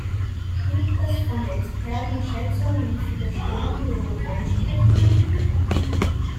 Gibt es von Experten Schätzungen, wie viele Stunden wir noch einsprechen müssen?